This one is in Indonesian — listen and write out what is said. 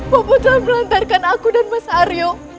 bopo telah melantarkan aku dan mas aryo